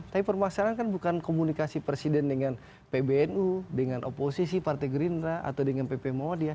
tapi permasalahan kan bukan komunikasi presiden dengan pbnu dengan oposisi partai gerindra atau dengan pp muhammadiyah